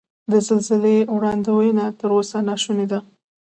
د زلزلې وړاندوینه تر اوسه نا شونې ده.